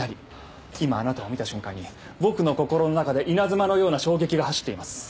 今あなたを見た瞬間に僕の心の中で稲妻のような衝撃が走っています。